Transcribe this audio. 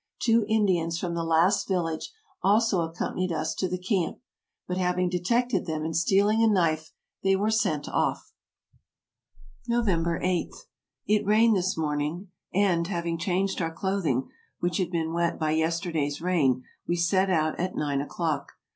Two Indians from the last village also accompanied us to the camp ; but having detected them in stealing a knife, they were sent off. "November 8. — It rained this morning; and, having changed our clothing, which had been wet by yesterday's rain, we set out at nine o'clock.